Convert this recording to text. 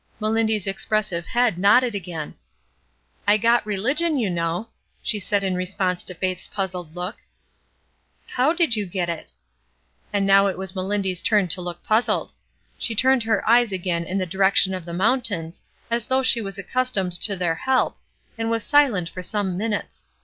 Melindy's expressive head nodded again. "I got reUgion, you know," she said in re sponse to Faith's puzzled look. ''How did you get it?" And now it was Melindy's turn to look puz zled. She turned her eyes again in the direction of the mountains as though she was accustomed to their help, and was silent for some minutes.